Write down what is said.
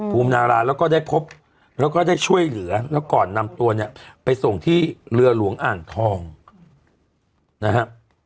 ภูมินาราแล้วก็ได้พบแล้วก็ได้ช่วยเหลือแล้วก่อนนำตัวเนี่ยไปส่งที่เรือหลวงอ่างทองนะฮะ